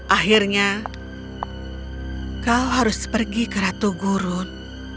akhirnya kau harus pergi ke ratu gurun